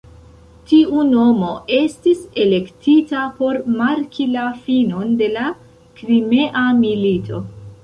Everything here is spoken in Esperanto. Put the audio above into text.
Tiu nomo estis elektita por marki la finon de la Krimea milito.